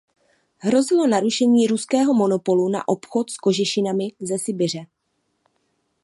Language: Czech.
Hrozilo narušení ruského monopolu na obchod s kožešinami ze Sibiře.